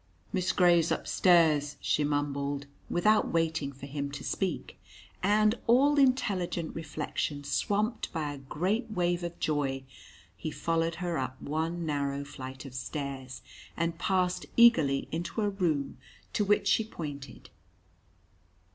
"Miss Gray's upstairs," she mumbled, without waiting for him to speak. And, all intelligent reflection swamped by a great wave of joy, he followed her up one narrow flight of stairs, and passed eagerly into a room to which she pointed.